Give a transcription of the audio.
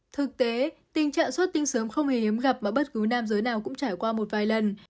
thực tế tình trạng xuất tinh sớm không hề hiếm gặp mà bất cứ nam giới nào cũng trải qua một vài lần